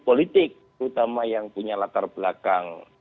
politik terutama yang punya latar belakang